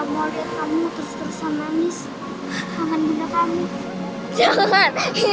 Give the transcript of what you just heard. maafin aku ya bening